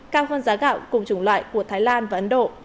cao hơn giá gạo cùng chủng loại của thái lan và ấn độ